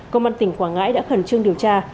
công an tỉnh quảng ngãi đã khẩn trương điều tra